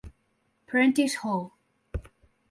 Prentice Hall.